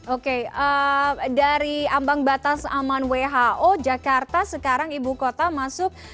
oke dari ambang batas aman who jakarta sekarang ibu kota masuk